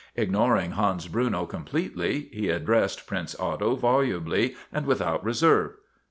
Ignoring Hans Bruno completely he addressed Prince Otto volubly and without reserve.